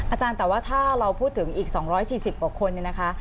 อาจารย์แต่ว่าถ้าเราพูดถึงอีก๒๔๐กว่าคนเนี่ยนะคะ